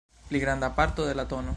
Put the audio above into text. Pli granda parto de la tn.